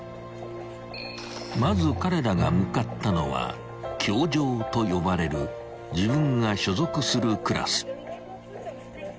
［まず彼らが向かったのは教場と呼ばれる自分が所属するクラス］